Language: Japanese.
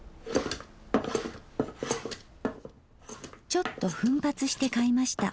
ちょっと奮発して買いました